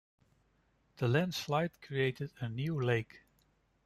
The landslide created a new lake.